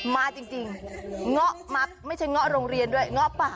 มาจริงง๊อมักไม่ใช่ง๊อโรงเรียนด้วยง๊อป่า